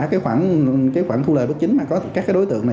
cái khoản thu lời bất chính mà có các đối tượng này